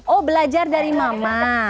oh belajar dari mama